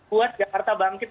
buat jakarta bangkit